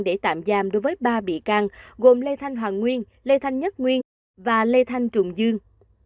cơ quan công an đã khởi tố bị can đối với ba bị can gồm lê thanh hoàng nguyên lê thanh nhất nguyên và lê thanh trường dương